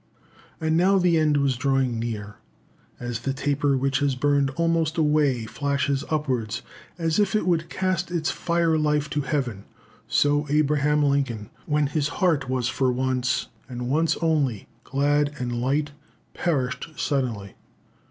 And now the end was drawing near. As the taper which has burned almost away flashes upwards, as if it would cast its fire life to heaven, so Abraham Lincoln, when his heart was for once, and once only, glad and light, perished suddenly.